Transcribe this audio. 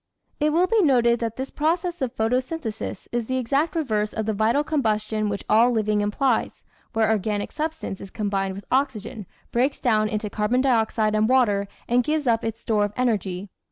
It will be noted that this process of photosynthesis is the exact reverse of the vital combustion which all living implies, where organic substance is combined with oxygen, breaks down into 608 The Outline of Science carbon dioxide and water, and gives up its store of energy.